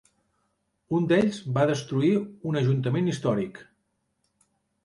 Un d'ells va destruir un ajuntament històric.